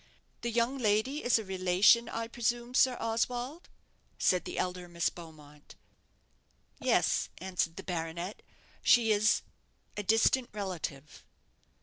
"The young lady is a relation, I presume, Sir Oswald?" said the elder Miss Beaumont. "Yes," answered the baronet; "she is a distant relative."